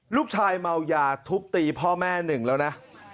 ลูกชายเมายาทุบตีพ่อแม่หนึ่งแล้วนะ